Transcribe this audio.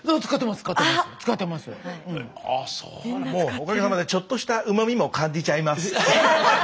おかげさまでちょっとしたうま味も感じちゃいます。